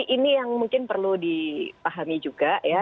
ini yang mungkin perlu dipahami juga ya